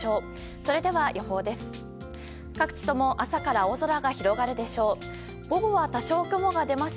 それでは予報です。